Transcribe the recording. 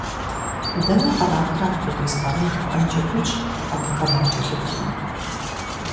Дэнэ кърахрэ апхуэдиз къару жыпIэнкIи хъунщ, абыхэм уакIэлъыплъмэ!